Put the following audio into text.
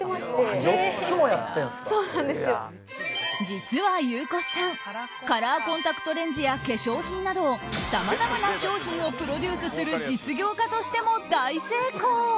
実は、ゆうこすさんカラーコンタクトレンズや化粧品などさまざまな商品をプロデュースする実業家としても大成功！